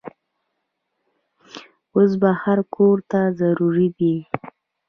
اوبه هر کور ته ضروري دي.